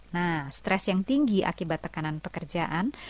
nah stres yang tinggi akibat tekanan pekerjaan